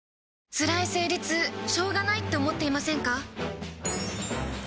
つらい生理痛しょうがないって思っていませんか？